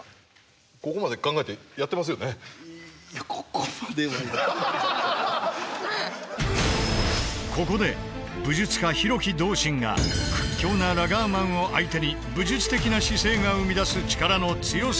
こうじゃなくてここで武術家廣木道心が屈強なラガーマンを相手に武術的な姿勢が生み出す力の強さを実演。